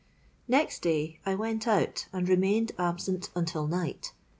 "Next day I went out and remained absent until night.